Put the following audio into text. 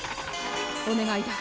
お願いだ。